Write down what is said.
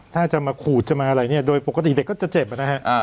ถ้าจะมาขูดจะมาอะไรเนี่ยโดยปกติเด็กก็จะเจ็บนะฮะ